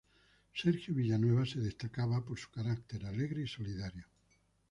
Sergio Villanueva se destacaba por su carácter alegre y solidario.